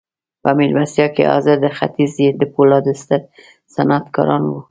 په مېلمستیا کې حاضر د ختیځ د پولادو ستر صنعتکاران وو